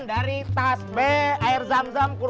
jangan jangan jangan